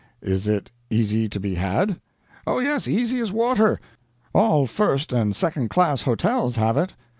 "Is it easy to be had?" "Oh, yes easy as water. All first and second class hotels have it."